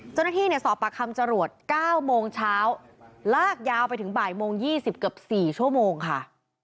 เจ้าหน้าที่สอบปากคำจรวด๙โมงเช้าลากยาวไปถึงบ่ายโมง๒๐เกือบ๔ชั่วโมงค่ะ